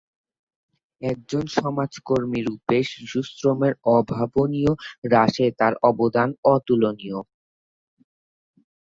একজন সমাজকর্মী রূপে শিশুশ্রমের অভাবনীয় হ্রাসে তাঁর অবদান অতুলনীয়।